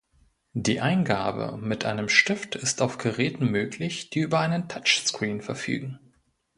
Die Eingabe mit einem Stift ist auf Geräten möglich, die über einen Touchscreen verfügen.